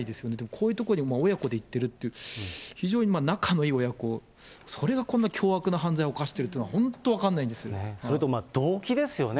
こういう所に親子で行ってるっていう、非常に仲のいい親子、それがこんな凶悪な犯罪を犯しているというのは本当分かんないんそれと動機ですよね。